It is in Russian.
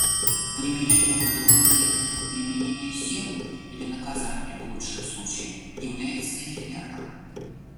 Примирение под угрозой применения силы или наказания в лучшем случае является эфемерным.